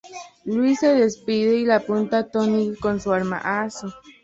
Luis se despide y le apunta a Tony con su arma.